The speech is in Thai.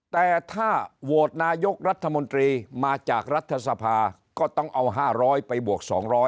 แต่ถ้าโหวตนายกรัฐมนตรีมาจากรัฐสภาก็ต้องเอา๕๐๐ไปบวก๒๐๐